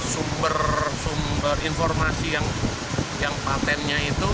sumber sumber informasi yang patentnya itu